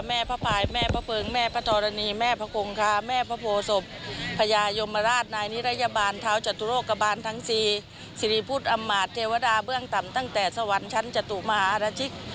อัมหาตเทวดาเบื้องต่ำตั้งแต่สวรรค์ชั้นศตุมหารชิก